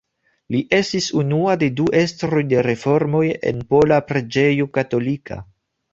Li estis unua de du estroj de reformoj en pola preĝejo katolika.